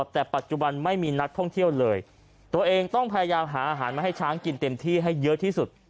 แต่ปัจจุบันไม่มีนักท่องเที่ยวเลยตัวเองต้องพยายามหาอาหารมาให้ช้างกินเต็มที่ให้เยอะที่สุด